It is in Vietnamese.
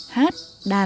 hát đàn và múa